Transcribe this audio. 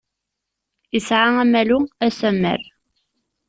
Isɛa amalu, asammer.